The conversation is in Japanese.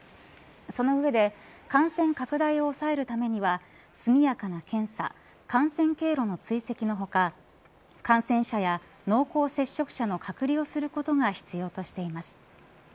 その上で感染拡大を抑えるためには速やかな検査感染経路の追跡の他感染者や濃厚接触者の隔離をすることが必要としています。